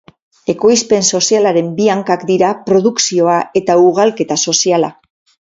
Ekoizpen sozialaren bi hankak dira produkzioa eta ugalketa soziala.